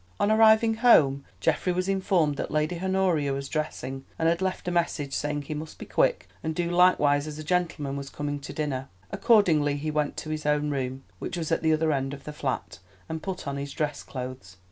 On arriving home Geoffrey was informed that Lady Honoria was dressing, and had left a message saying he must be quick and do likewise as a gentleman was coming to dinner. Accordingly he went to his own room—which was at the other end of the flat—and put on his dress clothes.